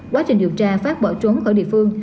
quá trình điều tra phát bỏ trốn khỏi địa phương